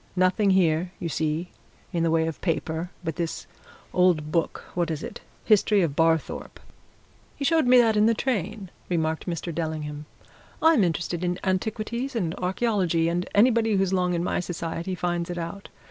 Nothing here, you see, in the way of paper but this old book what is it History of Barthorpe." "He showed me that in the train," remarked Mr. Dellingham. "I'm interested in antiquities and archaeology, and anybody who's long in my society finds it out.